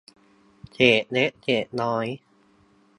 เศษเล็กเศษน้อย